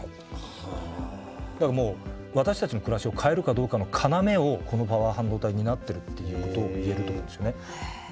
だからもう私たちの暮らしを変えるかどうかの要をこのパワー半導体担ってるっていうことを言えると思うんですよね。